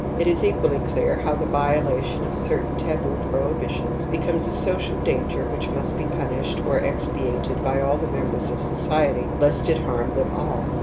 It is equally clear how the violation of certain taboo prohibitions becomes a social danger which must be punished or expiated by all the members of society lest it harm them all.